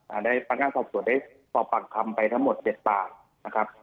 ได้พนักงานสอบสวนได้สอบปากคำไปทั้งหมดเจ็ดปากนะครับ